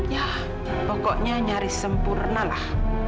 ya pokoknya nyaris sempurnalah